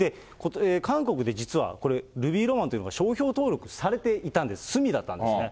韓国で実は、ルビーロマンっていうのが、商標登録されていたんです、済だったんですね。